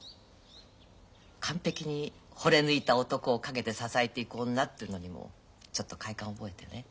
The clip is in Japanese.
完璧にほれ抜いた男を陰で支えていく女っていうのにもちょっと快感を覚えてね。